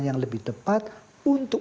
yang lebih tepat untuk